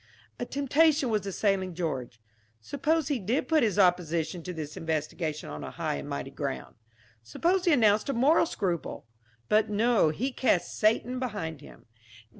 A temptation was assailing George. Suppose he did put his opposition to this investigation on a high and mighty ground? Suppose he announced a moral scruple? But no, he cast Satan behind him.